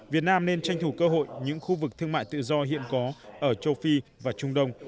việt nam nên tranh thủ cơ hội những khu vực thương mại tự do hiện có ở châu phi và trung đông